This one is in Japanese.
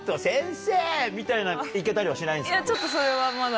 みたいな行けたりはしないんですか？